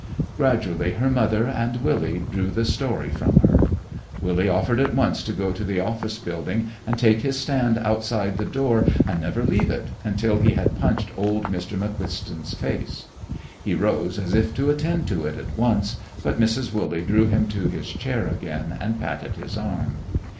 Gradually her mother and Willy drew the story from her. Willy offered at once to go to the office building and take his stand outside the door and never leave it until he had punched old Mr. McQuiston's face. He rose as if to attend to it at once, but Mrs. Wooley drew him to his chair again and patted his arm.